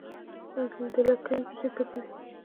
د لکۍ وریجې ګردې وي.